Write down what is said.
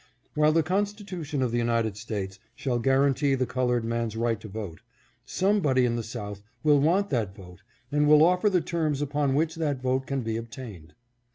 While the Constitution of the United States shall guarantee the colored man's right to vote, somebody in the South will want that vote and will offer the terms upon which that vote can be obtained.